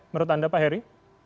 menurut anda pak heri